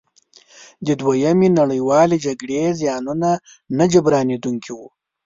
د دویمې نړیوالې جګړې زیانونه نه جبرانیدونکي وو.